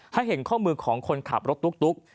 ให้เห็นข้อมือของคนขับรถตุ๊ก